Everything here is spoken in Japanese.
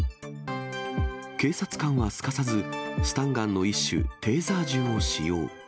警察官はすかさず、スタンガンの一種、テーザー銃を使用。